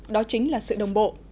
đó chính là sự đồng bộ